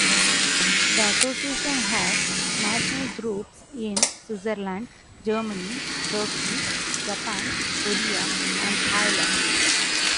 The association has national groups in Switzerland, Germany, Turkey, Japan, Korea and Thailand.